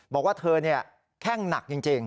บอกว่าเธอแข้งหนักจริง